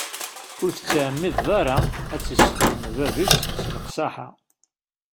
Ur tettɛemmideḍ ara ad t-issexdem bab-is s leqsaḥa.